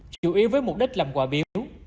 chủ yếu với mục đích làm quả biếu